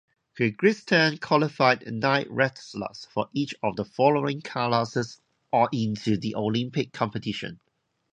Kyrgyzstan qualified nine wrestlers for each of the following classes into the Olympic competition.